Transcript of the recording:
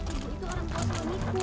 ibu itu orang tua suamiku